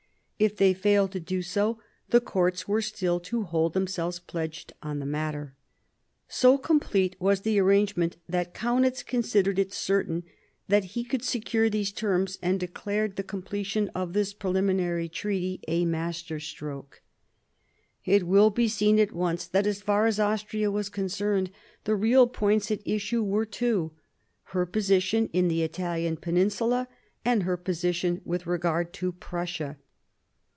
If they failed to do so, the courts were still to hold themselves pledged on the matter. So complete was the arrangement, that Kaunitz considered it certain that he could secure these terms, and declared the completion of this preliminary treaty a master stroke. 58 MARIA THERESA chap, hi It will be seen at once that as far as Austria was concerned, the real points at issue were two : her position in the Italian peninsula, and her position with regard to Prussia.